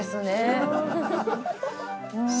うん